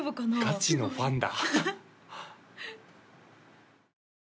ガチのファンだ